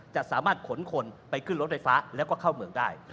จะสามารถขนคนไปขึ้นรถไฟฟ้าแล้วก็เข้าเมืองได้